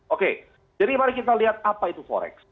oke jadi mari kita lihat apa itu forex